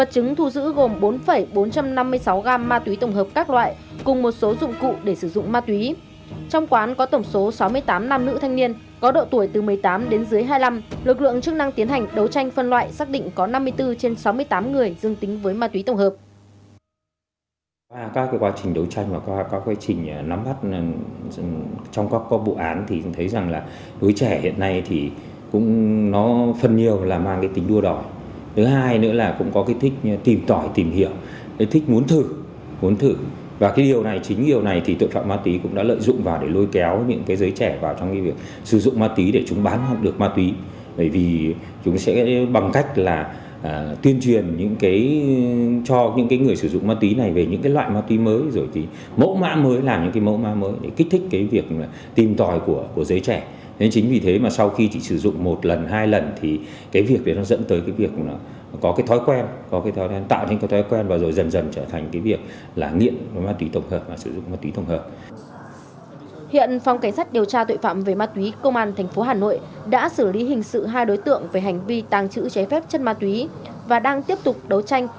hiện phòng cảnh sát điều tra tội phạm về ma túy công an tp hà nội đã xử lý hình sự hai đối tượng về hành vi tàng trữ chế phép chất ma túy và đang tiếp tục đấu tranh